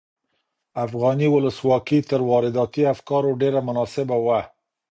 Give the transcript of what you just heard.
افغاني ولسواکي تر وارداتي افکارو ډېره مناسبه وه.